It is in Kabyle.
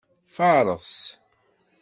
Faṛes.